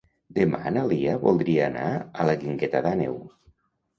Demà na Lia voldria anar a la Guingueta d'Àneu.